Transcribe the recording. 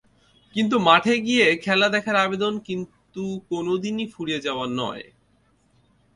কিন্তু মাঠে গিয়ে খেলা দেখার আবেদন কিন্তু কোনো দিনই ফুরিয়ে যাওয়ার নয়।